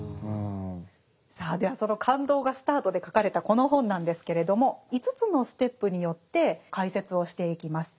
さあではその感動がスタートで書かれたこの本なんですけれども５つのステップによって解説をしていきます。